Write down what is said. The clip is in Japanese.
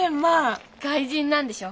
外人なんでしょ？